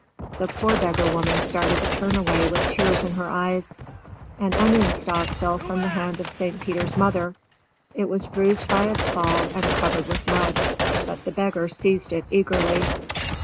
The poor beggar woman started to turn away with tears in her eyes. An onion stalk fell from the hand of St. Peter's mother. It was bruised by its fall and covered with mud, but the beggar seized it eagerly.